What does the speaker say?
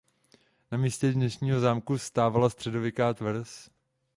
Na místě dnešního zámečku stávala středověká tvrz.